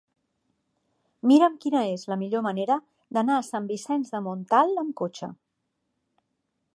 Mira'm quina és la millor manera d'anar a Sant Vicenç de Montalt amb cotxe.